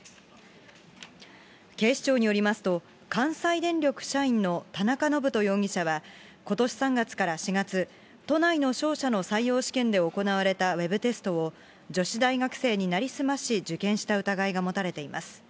警視庁によりますと、関西電力社員の田中信人容疑者は、ことし３月から４月、都内の商社の採用試験で行われたウェブテストを、女子大学生に成り済まし、受験した疑いが持たれています。